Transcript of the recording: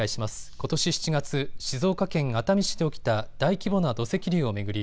ことし７月、静岡県熱海市で起きた大規模な土石流を巡り